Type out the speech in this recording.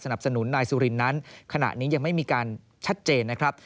สนุนนายสุรินนั้นขณะนี้ยังไม่มีการชัดเจนนะครับ